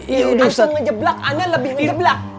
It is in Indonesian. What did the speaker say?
antum ngejeblak ana lebih ngejeblak